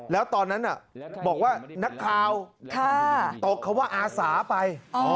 แล้วตอนนั้นบอกว่านักข่าวตกคำว่าอาสาไป